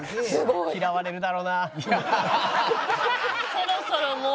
そろそろもう。